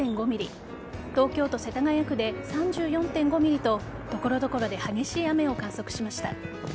東京都世田谷区で３４．５ｍｍと所々で激しい雨を観測しました。